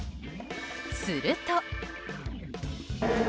すると。